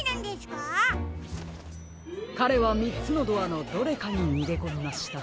かれはみっつのドアのどれかににげこみました。